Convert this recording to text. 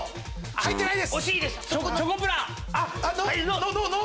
入ってないです。